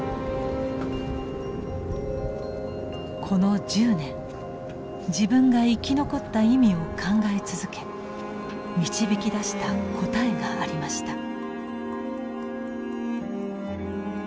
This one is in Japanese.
この１０年自分が生き残った意味を考え続け導き出した答えがありました。